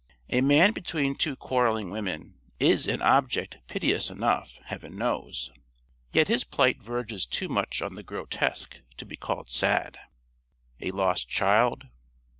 A man between two quarreling women is an object piteous enough, heaven knows. Yet his plight verges too much on the grotesque to be called sad. A lost child?